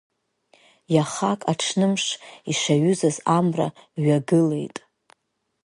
Иахак аҽнымш ишаҩызаз амра ҩагылеит.